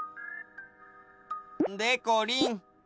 でこりん。